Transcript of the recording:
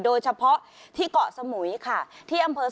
โดยเฉพาะที่เกาะสมุยค่ะที่อำเภอ